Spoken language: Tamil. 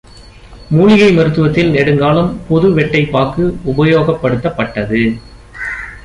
மூலிகை மருத்துவத்தில், நெடுங்காலம் பொது வெட்டை பாக்கு உபயோகப்படுத்தப்பட்டது.